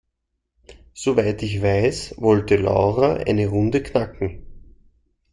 Soweit ich weiß, wollte Laura eine Runde knacken.